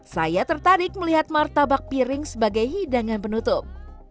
saya tertarik melihat martabak piring sebagai hidangan penutup